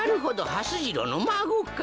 はす次郎のまごか。